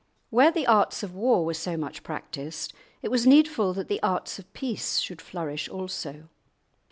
Where the arts of war were so much practised, it was needful that the arts of peace should flourish also.